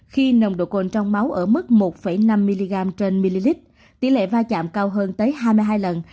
khi nồng độ cồn trong máu ở mức một năm mg trên một lít tỷ lệ vai trạm cao hơn tới hai mươi hai lần